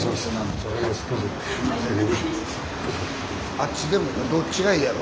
あっちでもどっちがいいやろ？